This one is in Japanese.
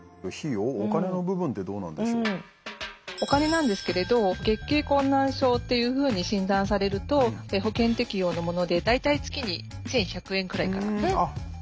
お金なんですけれど月経困難症というふうに診断されると保険適用のもので大体月に１，１００円くらいから。